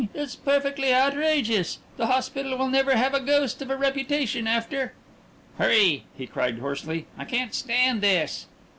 It's perfectly outrageous! The hospital will never have a ghost of a reputation after " "Hurry!" he cried hoarsely. "I can't stand this!"